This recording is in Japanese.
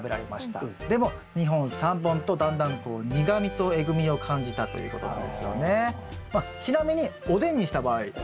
でも２本３本とだんだんこう苦みとえぐみを感じたということなんですよね。